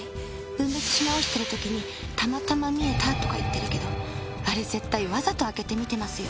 分別し直してる時にたまたま見えたとか言ってるけどあれ絶対わざと開けて見てますよ。